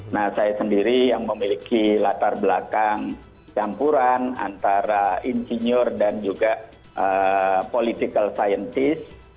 nah saya sendiri yang memiliki latar belakang campuran antara insinyur dan juga political scientist